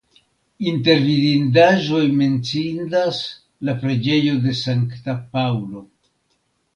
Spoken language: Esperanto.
Inter vidindaĵoj menciindas la preĝejo de Sankta Paŭlo.